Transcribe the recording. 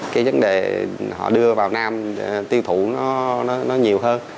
cái vấn đề họ đưa vào nam tiêu thụ nó nhiều hơn